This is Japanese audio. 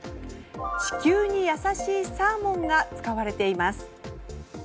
地球に優しいサーモンが使われています。